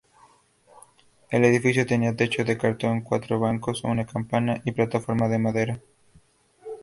El edificio tenía techo de cartón, cuatro bancos, una campana y plataforma de madera.